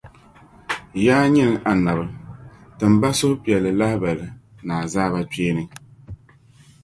Yaa nyini Annabi! Tim ba suhupiɛlli lahibali ni azaabakpeeni.